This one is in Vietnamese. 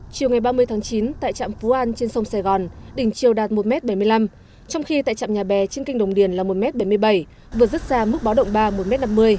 chiều ngày ba mươi tháng chín tại trạm phú an trên sông sài gòn đỉnh chiều đạt một m bảy mươi năm trong khi tại trạm nhà bè trên kinh đồng điền là một m bảy mươi bảy vượt rất xa mức báo động ba một m năm mươi